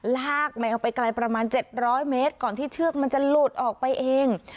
ลากแมวไปไกลประมาณ๗๐๐เมตรก่อนที่เชือกมันจะหลุดออกไปเอง